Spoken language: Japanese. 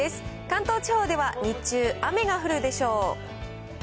関東地方は日中、雨が降るでしょう。